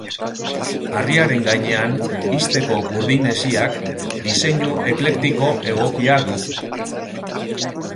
Harriaren gainean, ixteko burdin-hesiak diseinu eklektiko egokia du.